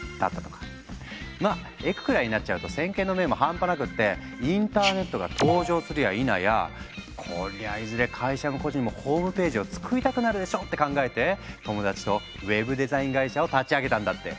まあエクくらいになっちゃうと先見の明も半端なくってインターネットが登場するやいなや「こりゃいずれ会社も個人もホームページを作りたくなるでしょ」って考えて友達とウェブデザイン会社を立ち上げたんだって。